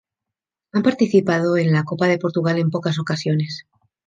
Han participado en la Copa de Portugal en pocas ocasiones.